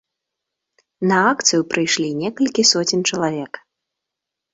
На акцыю прыйшлі некалькі соцень чалавек.